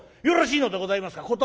「よろしいのでございますか？